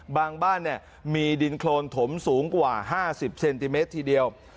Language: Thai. บ้านมีดินโครนถมสูงกว่า๕๐เซนติเมตรทีเดียว